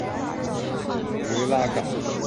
维拉港和卢甘维尔有一些的士和小型巴士。